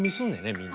みんな。